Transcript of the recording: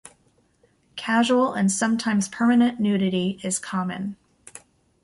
Casual and sometimes permanent nudity is common.